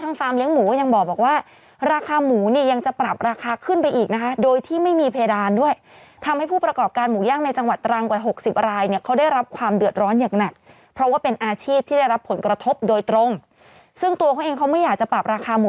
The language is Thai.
ยังไงก็วันนี้คือโอเคล่ะพระอยู่ในพระเหลืออาจจะต้องสำรวม